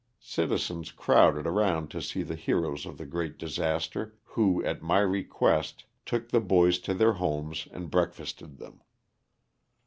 Citizens crowded around to see the heroes of the great disaster, who, at my request, took the boys to their homes and breakfasted them.